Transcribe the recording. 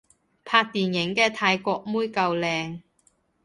拍電影嘅泰國妹夠靚